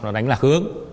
nó đánh lạc hướng